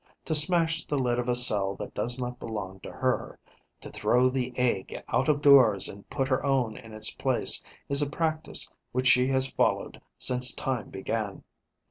To smash the lid of a cell that does not belong to her, to throw the egg out of doors and put her own in its place is a practice which she has followed since time began.